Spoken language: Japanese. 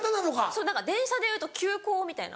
そう電車でいうと急行みたいな。